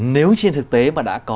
nếu trên thực tế mà đã có